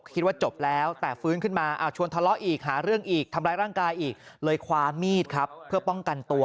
คิดว่าจบแล้วแต่ฟื้นขึ้นมาชวนทะเลาะอีกหาเรื่องอีกทำร้ายร่างกายอีกเลยคว้ามีดครับเพื่อป้องกันตัว